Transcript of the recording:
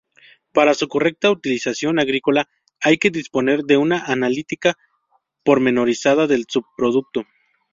Para su correcta utilización agrícola, hay que disponer de una analítica pormenorizada del subproducto.